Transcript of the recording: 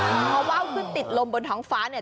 เพราะว่าวคือติดลมบนท้องฟ้าเนี่ย